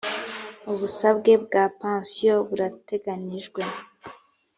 ubusabwe bwa pansiyo burateganijwe